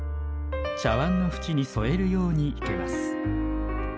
茶わんの縁に添えるように生けます。